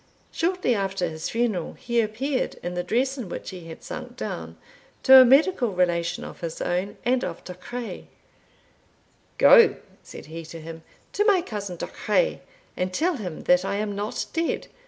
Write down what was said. Shortly after his funeral, he appeared, in the dress in which he had sunk down, to a medical relation of his own, and of Duchray. 'Go,' said he to him, 'to my cousin Duchray, and tell him that I am not dead.